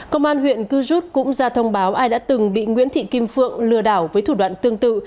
công an huyện cư rút cũng ra thông báo ai đã từng bị nguyễn thị kim phượng lừa đảo với thủ đoạn tương tự